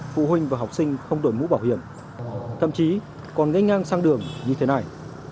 phụ huynh và học sinh không đổi mũ bảo hiểm thậm chí còn ngáy ngang sang đường như thế này